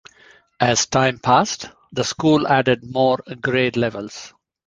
As time passed, the school added more grade levels.